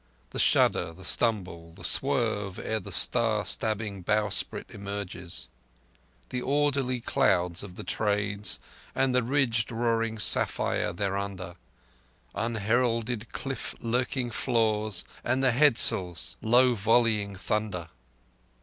The shudder, the stumble, the swerve ere the star stabbing bowsprit merges— The orderly clouds of the Trades and the ridged roaring sapphire thereunder— Unheralded cliff lurking flaws and the head sails' low volleying thunder?